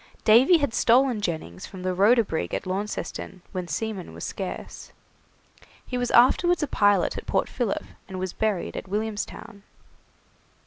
Davy had stolen Jennings from the 'Rhoda' brig at Launceston, when seamen were scarce. He was afterwards a pilot at Port Philip, and was buried at Williamstown.